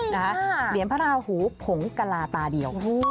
เหรียญพระราหูผงกะลาตาเดียว